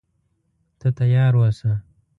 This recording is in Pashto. ته تیار اوسه.